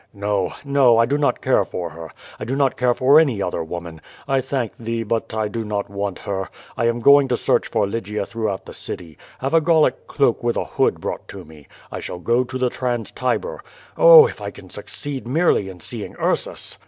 "No, no, I do not care for her, I do not care for any other woman. I thank thee, but I do not want her. I am going to search for Lygia throughout the city. Have a Gallic cloak with a hood brought to me. I shall go to the trans Tiber. Oh, if I can succeed merely in seeing Ursus!"